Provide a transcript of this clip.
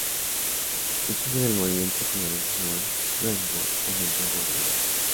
El jefe del movimiento, comandante Simón Luengo lo nombró gobernador.